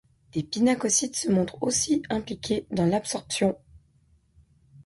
Des pinacocytes se montrent aussi impliqués dans l'absorption.